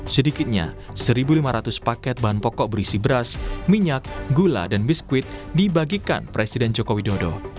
sedikitnya satu lima ratus paket bahan pokok berisi beras minyak gula dan biskuit dibagikan presiden joko widodo